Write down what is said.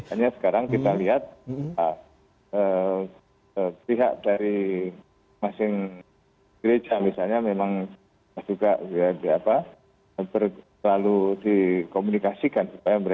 hanya sekarang kita lihat pihak dari masing masing gereja misalnya memang juga selalu dikomunikasikan